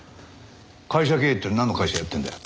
会社経営ってなんの会社やってんだよ？